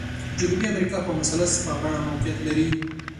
جنوبي امریکا په مثلث په بڼه موقعیت لري.